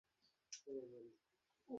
ও কুলিয়ন, আমাদের ডিজিটলজিস্ট।